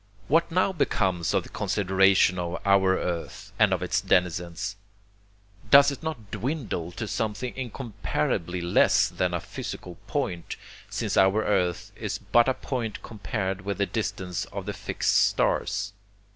... What now becomes of the consideration of our Earth and of its denizens? Does it not dwindle to something incomparably less than a physical point, since our Earth is but a point compared with the distance of the fixed stars.